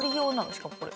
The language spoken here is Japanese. しかもこれ。